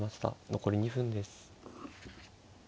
残り２分です。